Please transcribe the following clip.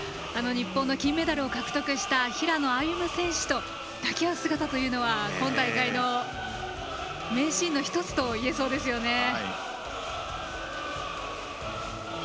日本の金メダルを獲得した平野歩夢選手と抱き合う姿は、今大会の名シーンの１つといえそうですね。